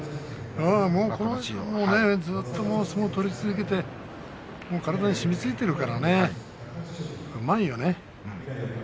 この人もずっと相撲を取り続けて体にしみついているからねうまいよね。